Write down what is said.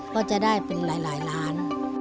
ก็จะได้เป็นหลายล้าน